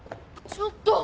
ちょっと！